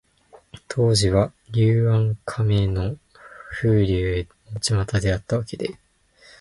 当時は、柳暗花明の風流のちまたであったわけで、